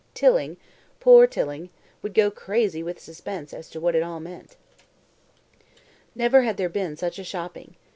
Tilling poor Tilling would go crazy with suspense as to what it all meant. Never had there been such a shopping!